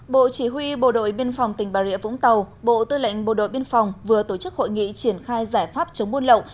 bộ chỉ huy bộ đội biên phòng tỉnh bà rịa vũng tàu bộ tư lệnh bộ đội biên phòng vừa tổ chức hội nghị triển khai giải pháp chống buôn lậu